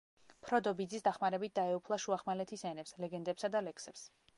ფროდო ბიძის დახმარებით დაეუფლა შუახმელეთის ენებს, ლეგენდებსა და ლექსებს.